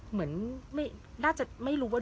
เหมือนน่าจะไม่รู้ว่า